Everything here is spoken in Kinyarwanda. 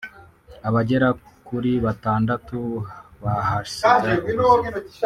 abagera kuri batandatu bahasiga ubuzima